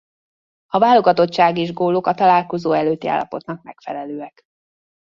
A válogatottság és gólok a találkozó előtti állapotnak megfelelőek.